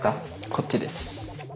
こっちです。